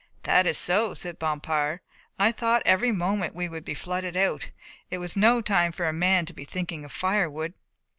"That is so," said Bompard, "I thought every moment we would be flooded out. It was no time for a man to be thinking of firewood."